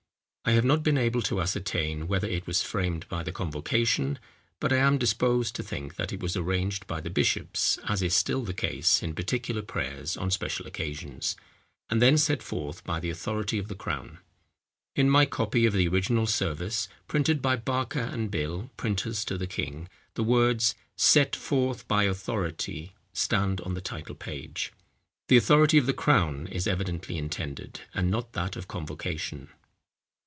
I have not been able to ascertain whether it was framed by the convocation; but I am disposed to think that it was arranged by the bishops, as is still the case in particular prayers on special occasions, and then set forth by the authority of the crown. In my copy of the original service printed by Barker and Bill, printers to the king, the words "Set forth by authority," stand on the title page. The authority of the crown is evidently intended, and not that of convocation.